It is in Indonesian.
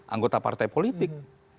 anggota partai politik